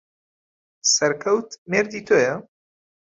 سەرکەوت مێردی تۆیە؟